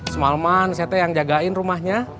semaleman saya yang jagain rumahnya